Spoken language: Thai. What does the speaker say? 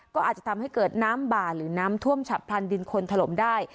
ก็อาจจะทำให้เกิดน้ำบ่าหรือน้ำท่วมฉับพลันดินคนถล่มได้